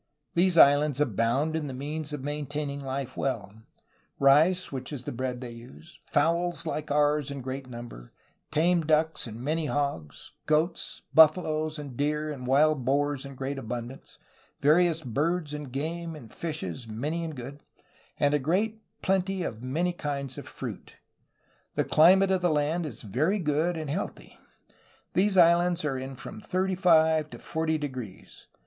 These islands abound in the means of maintaining life well — rice, whichisthebread they use; fowls like ours in great number; tame ducks and many hogs; goats; buffaloes and deer and wild boars in great abundance; various birds and game and fishes many and good, and a great plenty of many kinds of fruit. The climate of the land is very good and healthy. These islands are in from thirty five to forty degrees.